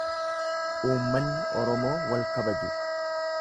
Uummanni Oromoo wal kabaju.